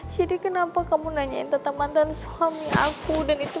jadi kenapa kamu nanyain tentang mantan suami aku